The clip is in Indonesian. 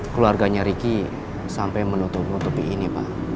keluarganya ricky sampai menutup nutupi ini pak